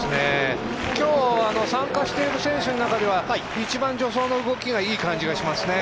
今日、参加している選手の中では一番助走の動きがいい感じがしますね。